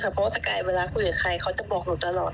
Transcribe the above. เพราะว่าสกายเวลาคุยกับใครเขาจะบอกหนูตลอด